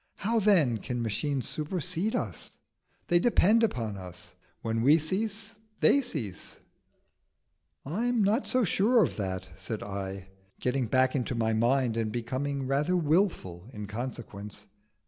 How then can machines supersede us? they depend upon us. When we cease, they cease." "I am not so sure of that," said I, getting back into my mind, and becoming rather wilful in consequence.